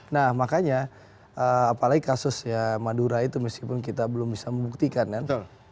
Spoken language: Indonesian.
nah makanya apalagi kasus ya madura itu meskipun kita belum bisa membuktikan kan